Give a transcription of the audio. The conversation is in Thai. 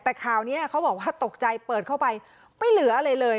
แต่ข่าวนี้เขาบอกว่าตกใจเปิดเข้าไปไม่เหลืออะไรเลย